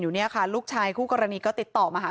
ผู้เสียหายก็เลยลบโพสต์นี้ไป